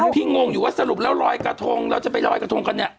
งงอยู่ว่าสรุปแล้วลอยกระทงเราจะไปลอยกระทงกันเนี่ย